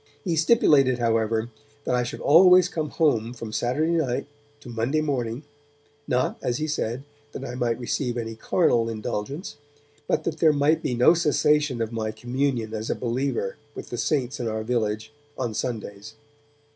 He stipulated, however, that I should always come home from Saturday night to Monday morning, not, as he said, that I might receive any carnal indulgence, but that there might be no cessation of my communion as a believer with the Saints in our village on Sundays.